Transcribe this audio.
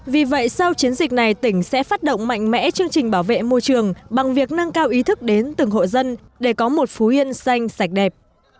vì vậy sau chiến dịch này tỉnh sẽ phát động mạnh mẽ chương trình bảo vệ môi trường bằng việc nâng cao ý thức đến từng hộ dân để có một phú yên xanh sạch đẹp